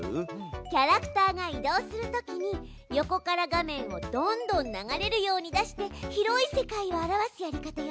キャラクターが移動するときに横から画面をどんどん流れるように出して広い世界を表すやり方よ。